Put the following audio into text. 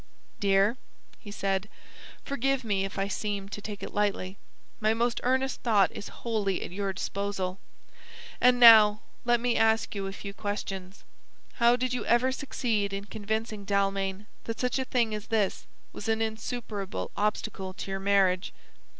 "Dear," he said, "forgive me if I seemed to take it lightly. My most earnest thought is wholly at your disposal. And now let me ask you a few questions. How did you ever succeed in convincing Dalmain that such a thing as this was an insuperable obstacle to your marriage?"